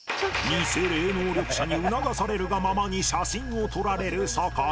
ニセ霊能力者に促されるがままに写真を撮られる酒井